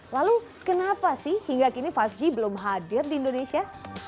lalu kenapa sih hingga kini lima g belum hadir di indonesia